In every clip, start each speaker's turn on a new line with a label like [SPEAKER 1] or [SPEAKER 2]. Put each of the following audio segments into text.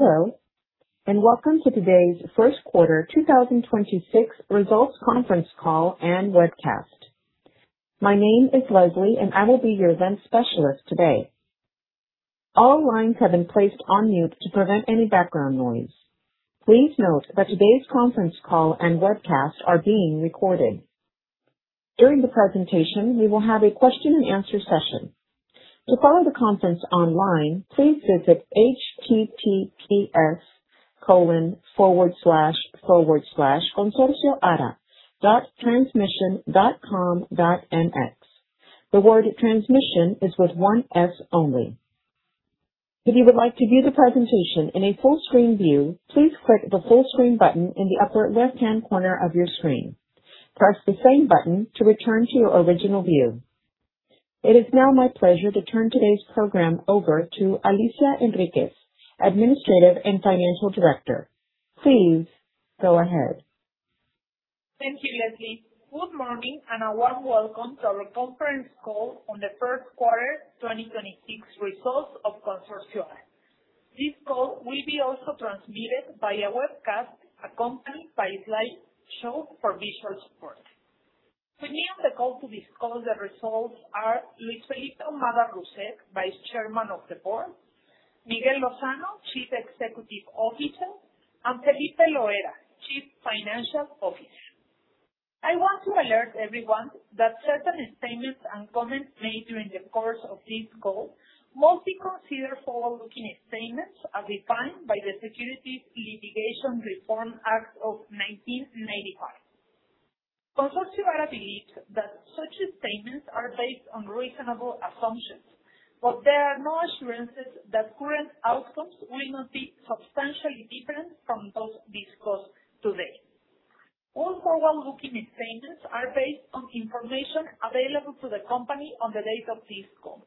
[SPEAKER 1] Hello, and welcome to today's first quarter 2026 results conference call and webcast. My name is Leslie, and I will be your event specialist today. All lines have been placed on mute to prevent any background noise. Please note that today's conference call and webcast are being recorded. During the presentation, we will have a question and answer session. To follow the conference online, please visit https://consorcioara.transmision.com.mx. The word transmission is with one S only. If you would like to view the presentation in a full screen view, please click the full screen button in the upper left hand corner of your screen. Press the same button to return to your original view. It is now my pleasure to turn today's program over to Alicia Enriquez, Administrative and Financial Director. Please go ahead.
[SPEAKER 2] Thank you, Leslie. Good morning, and a warm welcome to our conference call on the first quarter 2026 results of Consorcio ARA. This call will also be transmitted via webcast, accompanied by slideshow for visual support. With me on the call to discuss the results are Luis Felipe Ahumada Russek, Vice Chairman of the Board, Miguel Lozano, Chief Executive Officer, and Felipe Loera, Chief Financial Officer. I want to alert everyone that certain statements and comments made during the course of this call will be considered forward-looking statements as defined by the Private Securities Litigation Reform Act of 1995. Consorcio ARA believes that such statements are based on reasonable assumptions. There are no assurances that current outcomes will not be substantially different from those discussed today. All forward-looking statements are based on information available to the company on the date of this call.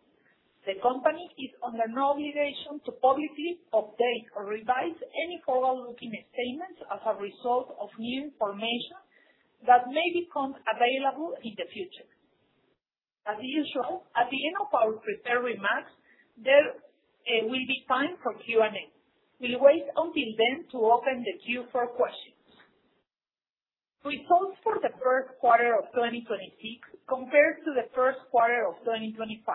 [SPEAKER 2] The company is under no obligation to publicly update or revise any forward-looking statements as a result of new information that may become available in the future. As usual, at the end of our prepared remarks, there will be time for Q&A. We'll wait until then to open the queue for questions. Results for the first quarter of 2026 compared to the first quarter of 2025.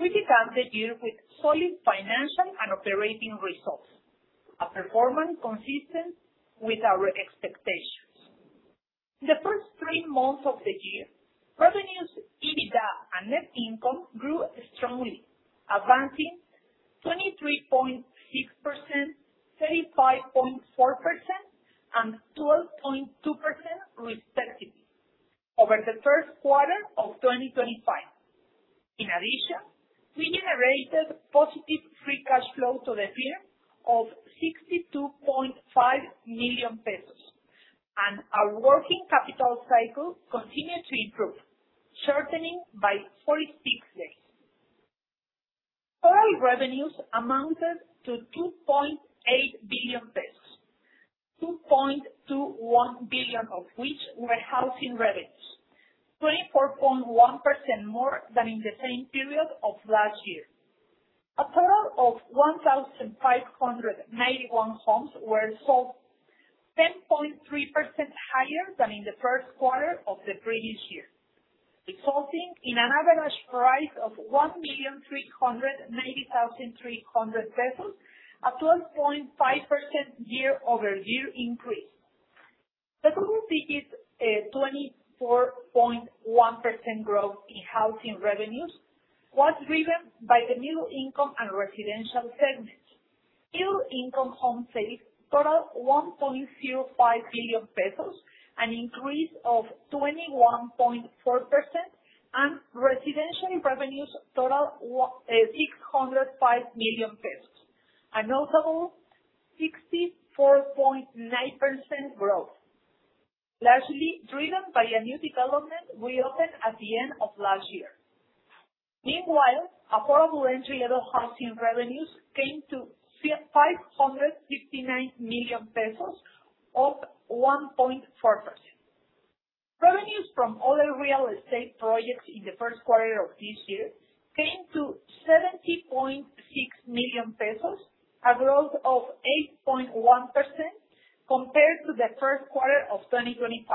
[SPEAKER 2] We began the year with solid financial and operating results, a performance consistent with our expectations. In the first three months of the year, revenues, EBITDA and net income grew strongly, advancing 23.6%, 35.4% and 12.2% respectively over the first quarter of 2025. In addition, we generated positive free cash flow to the tune of 62.5 million pesos, and our working capital cycle continued to improve, shortening by 46 days. Total revenues amounted to 2.8 billion pesos, 2.21 billion of which were housing revenues, 24.1% more than in the same period of last year. A total of 1,591 homes were sold, 10.3% higher than in the first quarter of the previous year, resulting in an average price of 1,390,300 pesos, a 12.5% year-over-year increase. The 24.1% growth in housing revenues was driven by the middle-income and residential segments. Middle-income home sales totaled 1.05 billion pesos, an increase of 21.4%, and residential revenues totaled 605 million pesos, a notable 64.9% growth, largely driven by a new development we opened at the end of last year. Meanwhile, affordable entry-level housing revenues came to 559 million pesos, up 1.4%. Revenues from other real estate projects in the first quarter of this year came to 70.6 million pesos, a growth of 8.1% compared to the first quarter of 2025,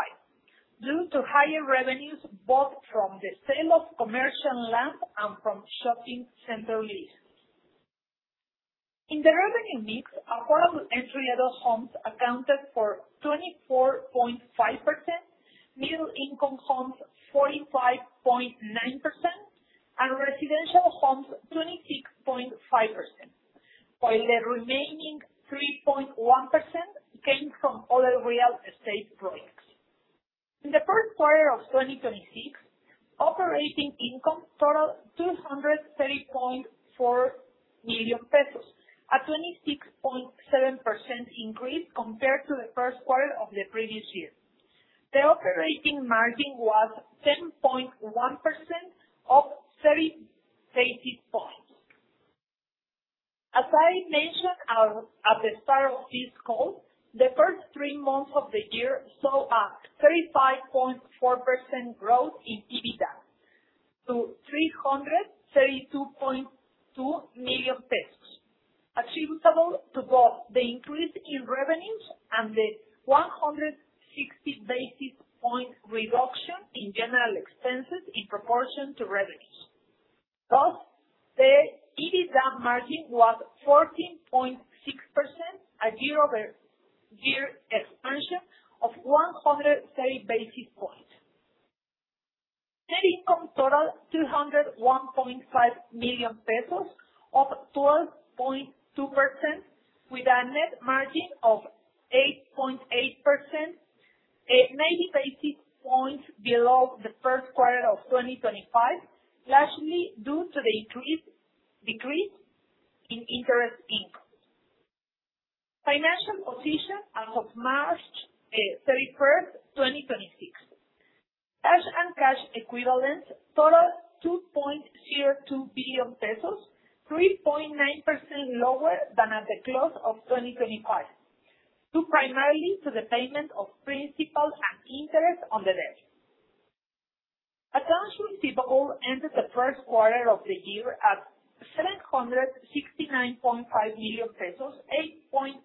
[SPEAKER 2] due to higher revenues both from the sale of commercial land and from shopping center leases. In the revenue mix, affordable entry-level homes accounted for 24.5%, middle-income homes 45.9%, and residential homes 26.5%, while the remaining 3.1% came from other real estate projects. In the first quarter of 2026, operating income totaled MXN 230.4 million, a 26.7% increase compared to the first quarter of the previous year. The operating margin was 7.1%, up 330 points. As I mentioned at the start of this call, the first three months of the year saw a 35.4% growth in EBITDA to 332.2 million pesos, attributable to both the increase in revenues and the 160 basis point reduction in general expenses in proportion to revenues. Thus, the EBITDA margin was 14.6%, a year-over-year expansion of 130 basis points. Net income totaled 201.5 million pesos of 12.2%, with a net margin of 8.8%, 90 basis points below the first quarter of 2025, largely due to the decrease in interest income. Financial position as of March 31st, 2026. Cash and cash equivalents totaled 2.02 billion pesos, 3.9% lower than at the close of 2025, due primarily to the payment of principal and interest on the debt. Accounts receivable ended the first quarter of the year at 769.5 million pesos, 8.4%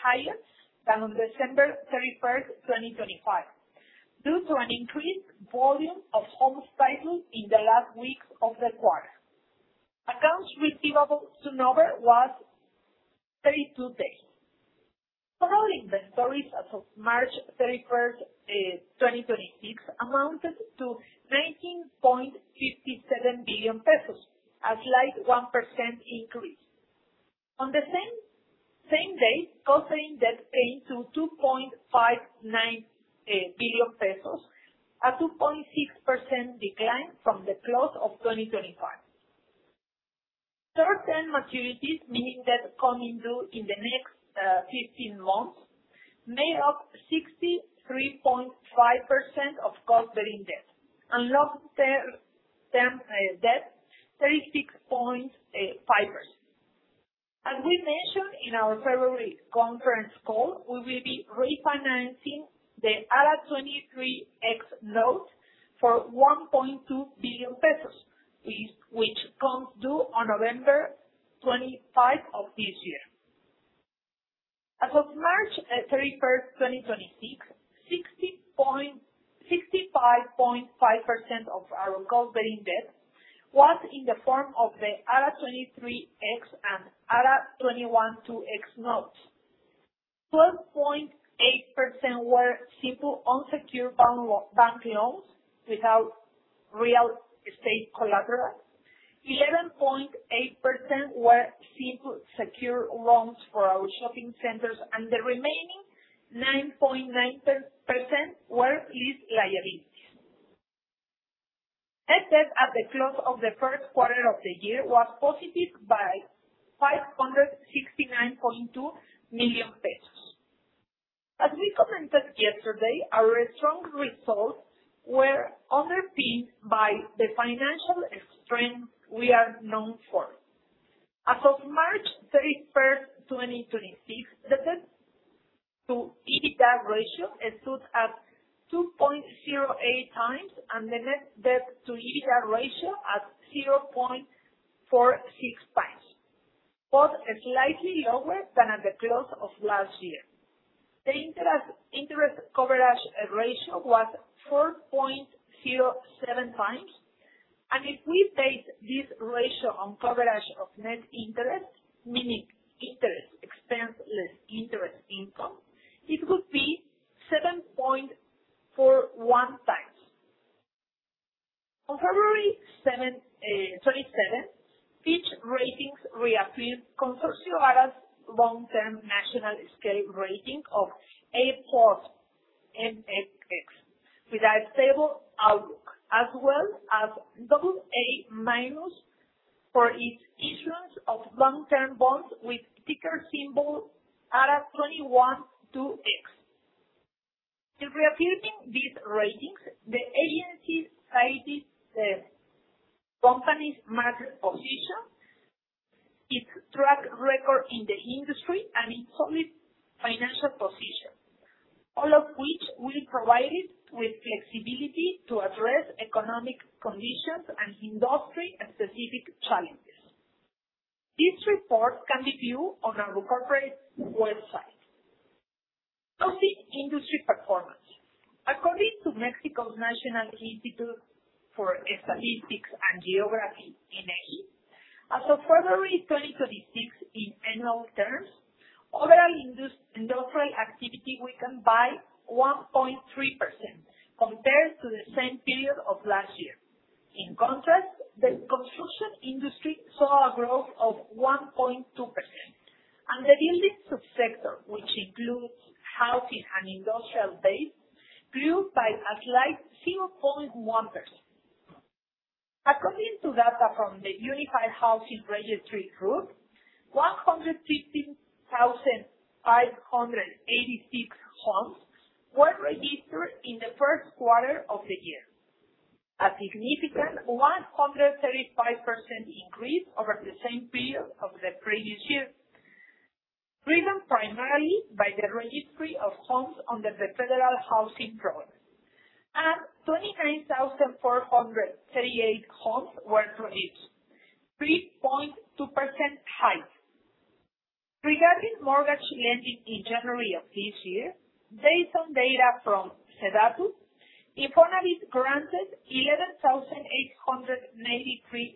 [SPEAKER 2] higher than on December 31st, 2025, due to an increased volume of home titles in the last week of the quarter. Accounts receivable turnover was 32 days. Total inventories as of March 31st, 2026 amounted to 19.57 billion pesos, a slight 1% increase. On the same day, covering debt paid to MXN 2.59 billion, a 2.6% decline from the close of 2025. Short-term maturities, meaning debt coming due in the next 15 months, made up 63.5% of corporate debt, and long-term debt, 36.5%. As we mentioned in our February conference call, we will be refinancing the ARA 23X notes for 1.2 billion pesos, which comes due on November 25 of this year. As of March 31st, 2026, 65.5% of our corporate debt was in the form of the ARA 23X and ARA 21-2X notes, 12.8% were simple unsecured bank loans without real estate collateral, 11.8% were simple secured loans for our Shopping Centers, and the remaining 9.9% were lease liabilities. Net debt at the close of the first quarter of the year was positive by 569.2 million pesos. As we commented yesterday, our strong results were underpinned by the financial strength we are known for. As of March 31st, 2026, the debt-to-EBITDA ratio stood at 2.08x, and the net debt to EBITDA ratio at 0.46x. Both are slightly lower than at the close of last year. The interest coverage ratio was 4.07x, and if we base this ratio on coverage of net interest, meaning interest expense less interest income, it would be 7.41x. On February 27th, Fitch Ratings reaffirmed Consorcio ARA's long-term national scale rating of A+(mex), with a stable outlook, as well as AA- for its issuance of long-term bonds with ticker symbol ARA 21-2X. In reaffirming these ratings, the agency cited the company's market position, its track record in the industry, and its solid financial position, all of which will provide it with flexibility to address economic conditions and industry-specific challenges. This report can be viewed on our corporate website. Now the industry performance. According to Mexico's National Institute of Statistics and Geography, INEGI, as of February 2026, in annual terms, overall industrial activity weakened by 1.3% compared to the same period of last year. In contrast, the construction industry saw a growth of 1.2%. The buildings subsector, which includes housing and industrial base, grew by a slight 0.1%. According to data from the Unique Housing Registry, 115,586 homes were registered in the first quarter of the year, a significant 135% increase over the same period of the previous year. Driven primarily by the registry of homes under the Federal Housing Program. 23,438 homes were produced, 3.2% higher. Regarding mortgage lending in January of this year, based on data from SEDATU, INFONAVIT granted 11,893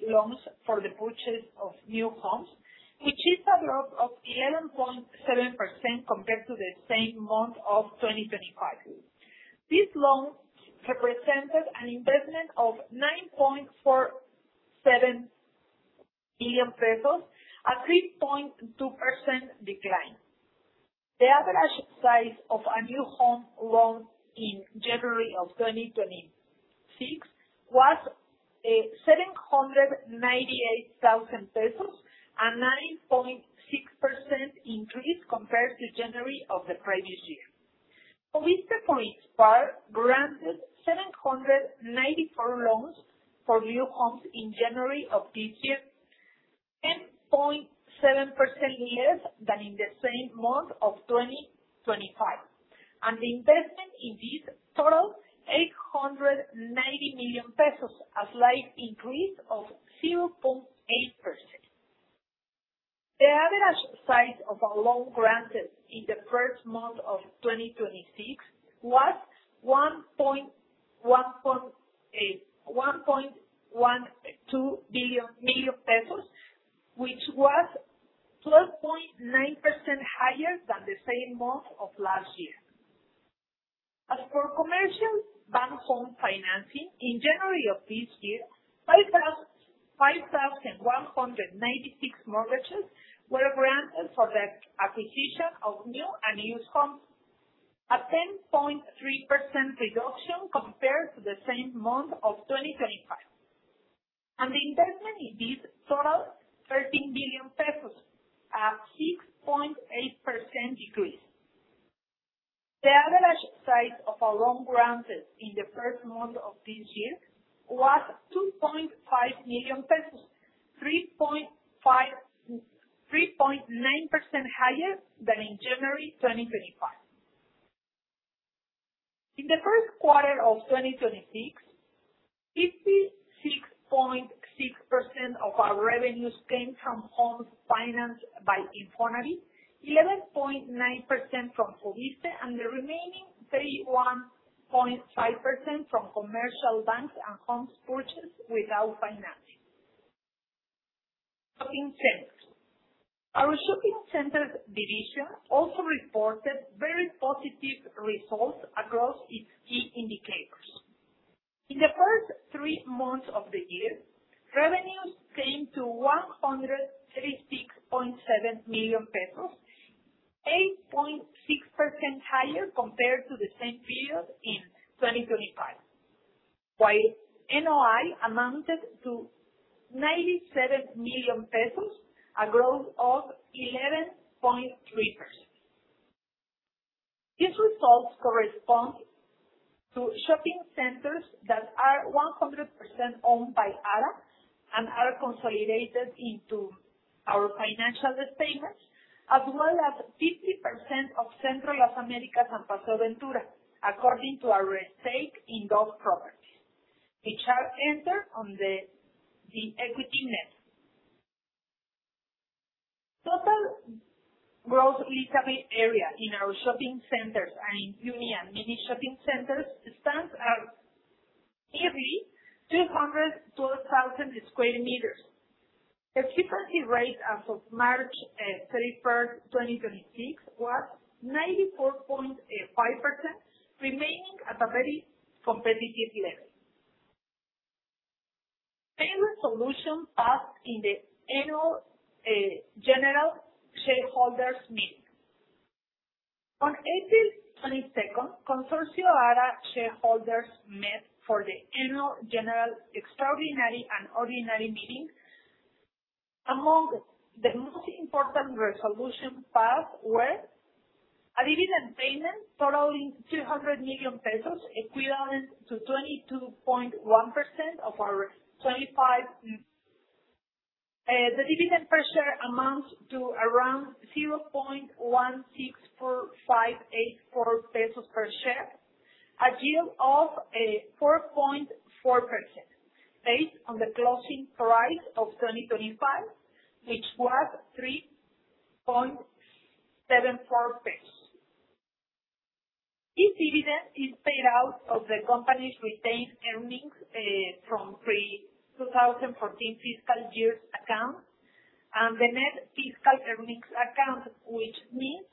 [SPEAKER 2] loans for the purchase of new homes, which is a drop of 11.7% compared to the same month of 2025. These loans represented an investment of 9.47 billion pesos, a 3.2% decline. The average size of a new home loan in January of 2026 was MXN 798,000, a 9.6% increase compared to January of the previous year. FOVISSSTE, for its part, granted 794 loans for new homes in January of this year, 10.7% less than in the same month of 2025. The investment in this totaled 890 million pesos, a slight increase of 0.8%. The average size of a loan granted in the first month of 2026 was MXN 1.12 Million, which was 12.9% higher than the same month of last year. As for commercial bank home financing, in January of this year, 5,196 mortgages were granted for the acquisition of new and used homes. A 10.3% reduction compared to the same month of 2025. The investment in this totaled MXN 13 billion, a 6.8% decrease. The average size of a loan granted in the first month of this year was 2.5 million pesos, 3.9% higher than in January 2025. In the first quarter of 2026, 56.6% of our revenues came from homes financed by INFONAVIT, 11.9% from FOVISSSTE, and the remaining 31.5% from commercial banks and homes purchased without financing. Shopping Centers. Our Shopping Centers division also reported very positive results across its key indicators. In the first three months of the year, revenues came to MXN 136.7 million, 8.6% higher compared to the same period in 2025. While NOI amounted to 97 million pesos, a growth of 11.3%. These results correspond to Shopping Centers that are 100% owned by Ara and are consolidated into our financial statements, as well as 50% of Centro Las Américas and Paseo Ventura, according to our stake in those properties, which are entered on the equity net. Total gross leasable area in our Shopping Centers and in uni and mini Shopping Centers stands at nearly 212,000 sq m. Occupancy rate as of March 31st, 2026, was 94.5%, remaining at a very competitive level. Main resolution passed in the annual general shareholders meeting. On April 22nd, Consorcio ARA shareholders met for the annual general extraordinary and ordinary meeting. Among the most important resolutions passed were a dividend payment totaling 300 million pesos, equivalent to 22.1% of our 25... The dividend per share amounts to around 0.16584 pesos per share, a yield of 4.4%, based on the closing price of 2025, which was MXN 3.74. This dividend is paid out of the company's retained earnings from pre-2014 fiscal years accounts and the net fiscal earnings account, which means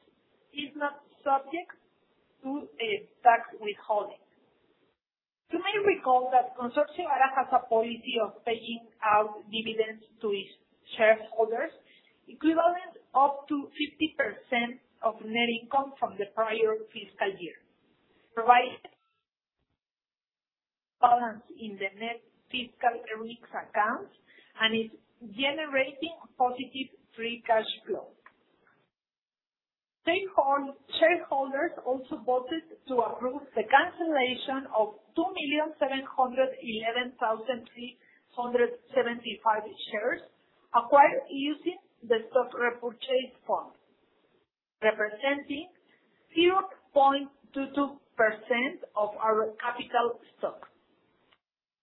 [SPEAKER 2] it's not subject to tax withholding. You may recall that Consorcio ARA has a policy of paying out dividends to its shareholders equivalent up to 50% of net income from the prior fiscal year, provided balance in the net fiscal earnings accounts and is generating positive free cash flow. Shareholders also voted to approve the cancellation of 2,711,375 shares acquired using the stock repurchase fund, representing 0.22% of our capital stock.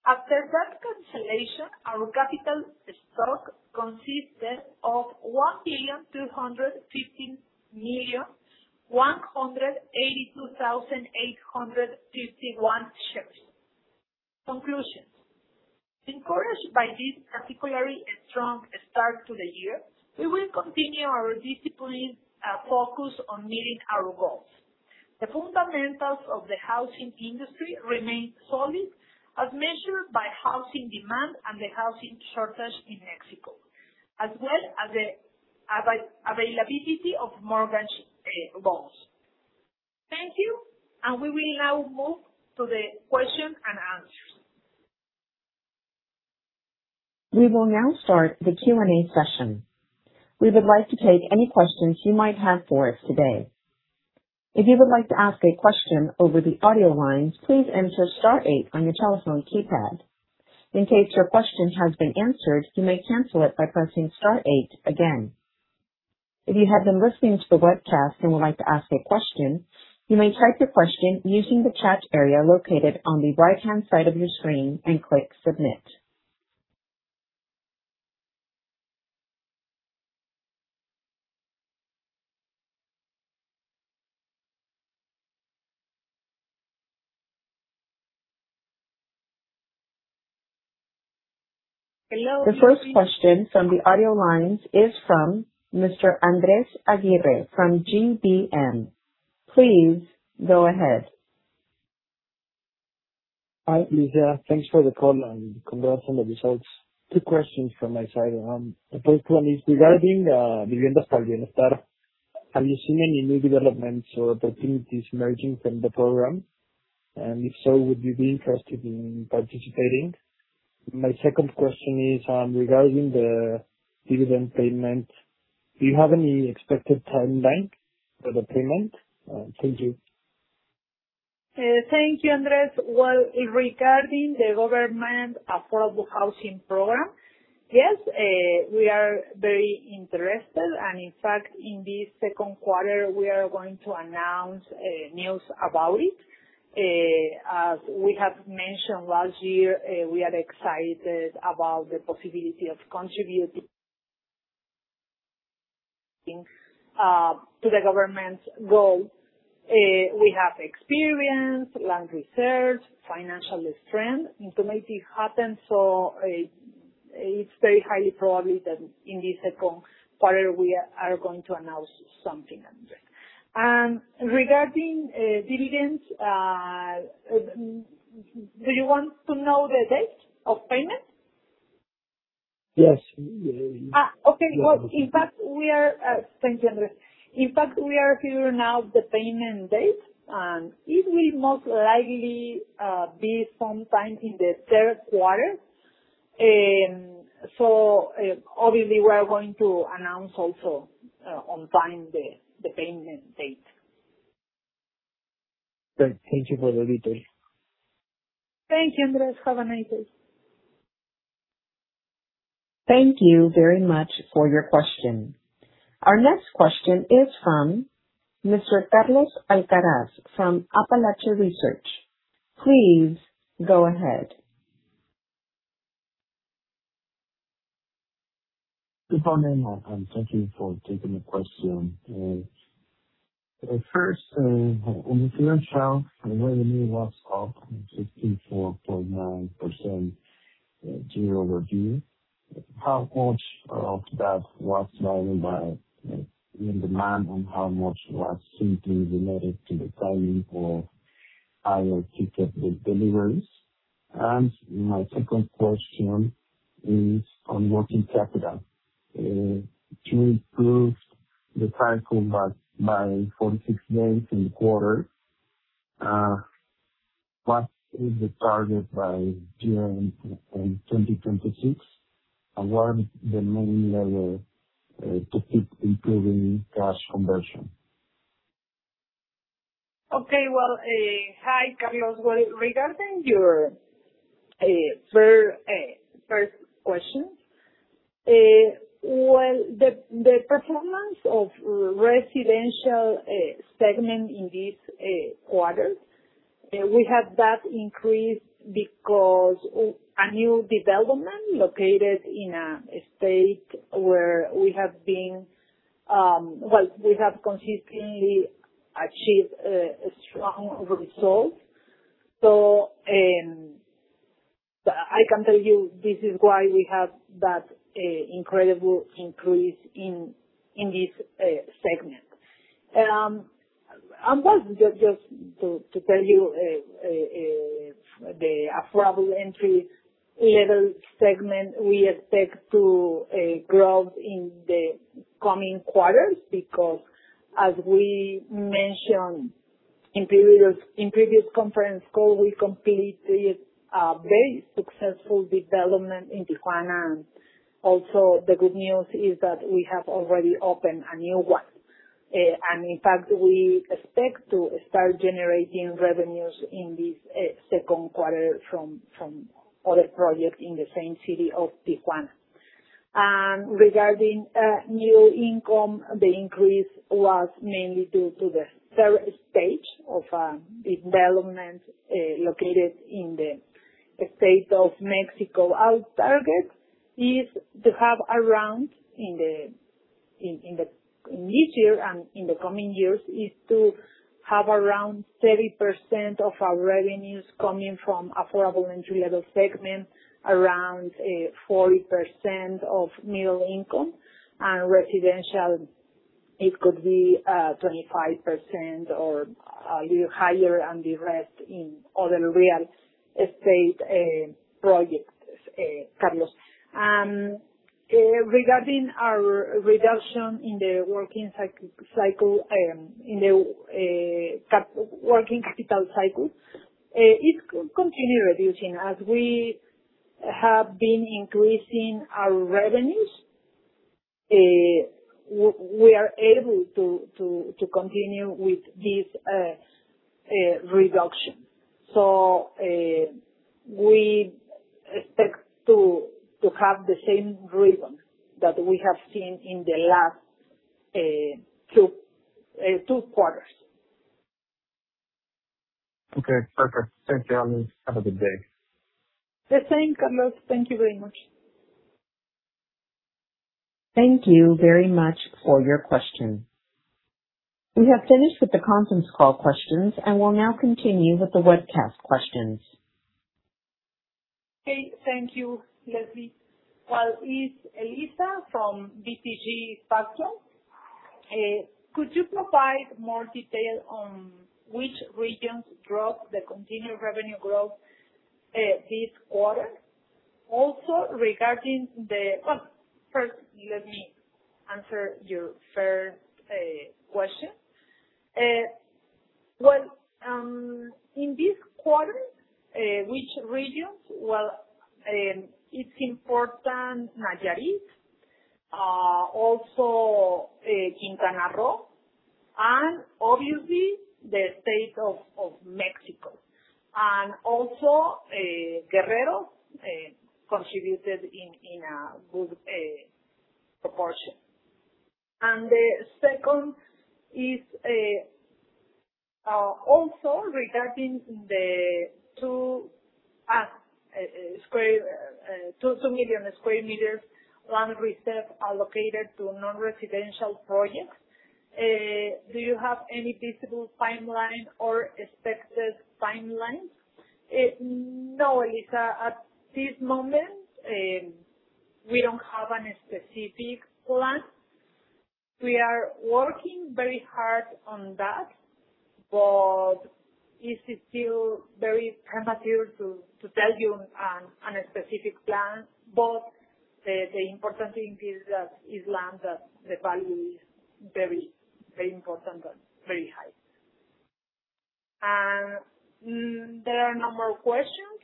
[SPEAKER 2] After that cancellation, our capital stock consisted of 1,215,182,851 shares. Conclusion. Encouraged by this particularly strong start to the year, we will continue our disciplined focus on meeting our goals. The fundamentals of the housing industry remain solid as measured by housing demand and the housing shortage in Mexico, as well as the availability of mortgage loans. Thank you, and we will now move to the questions-and-answers.
[SPEAKER 1] We will now start the Q&A session. We would like to take any questions you might have for us today. If you would like to ask a question over the audio lines, please enter star eight on your telephone keypad. In case your question has been answered, you may cancel it by pressing star eight again. If you have been listening to the webcast and would like to ask a question, you may type your question using the chat area located on the right-hand side of your screen and click submit. The first question from the audio lines is from Mr. Andrés Aguirre from GBM. Please go ahead.
[SPEAKER 3] Hi, Alicia. Thanks for the call and congrats on the results. Two questions from my side. The first one is regarding Vivienda para el Bienestar. Are you seeing any new developments or opportunities emerging from the program? And if so, would you be interested in participating? My second question is regarding the dividend payment. Do you have any expected timeline for the payment? Thank you.
[SPEAKER 2] Thank you, Andrés. Well, regarding the government affordable housing program, yes, we are very interested. In fact, in this second quarter, we are going to announce news about it. As we have mentioned last year, we are excited about the possibility of contributing to the government's goals. We have experience, land reserves, financial strength and so it's very highly probable that in the second quarter, we are going to announce something. Regarding dividends, do you want to know the date of payment?
[SPEAKER 3] Yes.
[SPEAKER 2] Okay. Thank you, Andrés. In fact, we are nearing the payment date, and it will most likely be sometime in the third quarter. Obviously we are going to announce also on time the payment date.
[SPEAKER 3] Thank you for the detail.
[SPEAKER 2] Thank you, Andrés. Have a nice day.
[SPEAKER 1] Thank you very much for your question. Our next question is from Mr. Carlos Alcaraz from Apalache Research. Please go ahead.
[SPEAKER 4] Good morning, and thank you for taking the question. First, on the financials, the revenue was up 54.9% year-over-year. How much of that was driven by demand and how much was simply related to the timing of higher ticket deliveries? My second question is on working capital. You improved the cycle by 46 days in the quarter. What is the target by year-end in 2026, and what are the main levers to keep improving cash conversion?
[SPEAKER 2] Okay. Well, hi, Carlos. Regarding your first question, well, the performance of residential segment in this quarter, we had that increase because a new development located in a state where we have consistently achieved strong results. I can tell you this is why we have that incredible increase in this segment. Just to tell you, the affordable entry-level segment, we expect to grow in the coming quarters because, as we mentioned in previous conference call, we completed a very successful development in Tijuana. Also, the good news is that we have already opened a new one. In fact, we expect to start generating revenues in this second quarter from other projects in the same city of Tijuana. Regarding NOI, the increase was mainly due to the third stage of development located in the state of Mexico. Our target is to have around, in this year and in the coming years, is to have around 30% of our revenues coming from affordable entry-level segment, around 40% of middle income, and residential, it could be 25% or a little higher, and the rest in other real estate projects, Carlos. Regarding our reduction in the working capital cycle, it could continue reducing. As we have been increasing our revenues, we are able to continue with this reduction. We expect to have the same rhythm that we have seen in the last two quarters.
[SPEAKER 4] Okay, perfect. Thank you. Have a good day.
[SPEAKER 2] The same, Carlos. Thank you very much.
[SPEAKER 1] Thank you very much for your question. We have finished with the conference call questions, and will now continue with the webcast questions.
[SPEAKER 2] Okay. Thank you, Leslie. Well, it's Elisa from BTG Pactual. Could you provide more detail on which regions drove the continued revenue growth this quarter? Also regarding the... Well, first let me answer your first question. Well, in this quarter, which regions? Well, it's important Nayarit, also Quintana Roo, and obviously the State of Mexico. Guerrero contributed in a good proportion. The second is also regarding the 2 million sq m land reserve allocated to non-residential projects. Do you have any visible timeline or expected timeline? No, Elisa. At this moment, we don't have any specific plan. We are working very hard on that, but it is still very premature to tell you on a specific plan. The important thing is that is land that the value is very, very important and very high. There are no more questions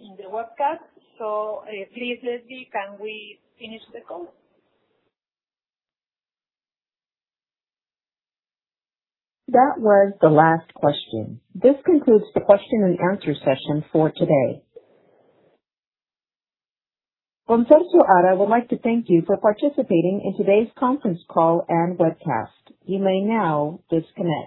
[SPEAKER 2] in the webcast, so please, Leslie, can we finish the call?
[SPEAKER 1] That was the last question. This concludes the question-and-answer session for today. Consorcio ARA would like to thank you for participating in today's conference call and webcast. You may now disconnect.